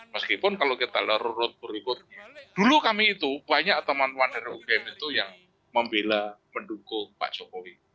meskipun kalau kita lurut lurut berikut dulu kami itu banyak teman teman dari ugm itu yang membela mendukung pak jokowi